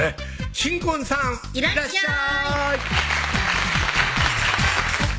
新婚さんいらっしゃい